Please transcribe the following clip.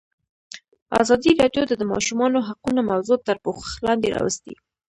ازادي راډیو د د ماشومانو حقونه موضوع تر پوښښ لاندې راوستې.